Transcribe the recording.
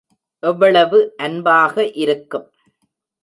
எவ்வளவு அன்பாக இருக்கும்!